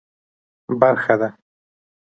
برخه ده.